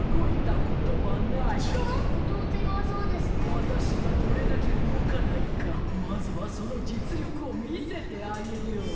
わたしがどれだけうごかないかまずはそのじつりょくをみせてあげよう。